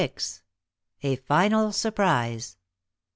A FINAL SURPRISE.